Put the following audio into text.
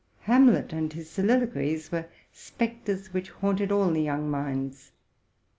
Ham let and his soliloquies were spectres which haunted all the young minds.